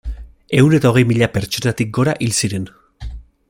Ehun eta hogei mila pertsonatik gora hil ziren.